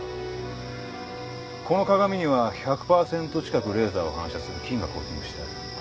この鏡には１００パーセント近くレーザーを反射する金がコーティングしてある。